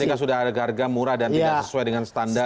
jika sudah harga murah dan tidak sesuai dengan standar